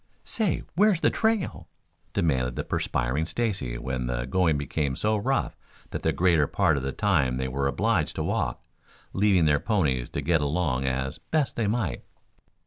"Say, where's the trail?" demanded the perspiring Stacy when the going became so rough that the greater part of the time they were obliged to walk, leaving their ponies to get along as best they might.